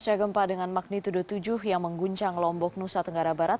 segempa dengan magnitude tujuh yang mengguncang lombok nusa tenggara barat